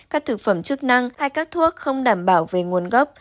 các thực phẩm chức năng hay các thuốc không đảm bảo về nguồn gốc